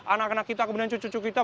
anak anak kita kemudian cucu cucu kita